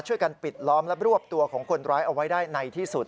ปิดล้อมและรวบตัวของคนร้ายเอาไว้ได้ในที่สุด